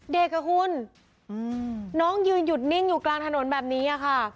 อ่ะคุณน้องยืนหยุดนิ่งอยู่กลางถนนแบบนี้ค่ะ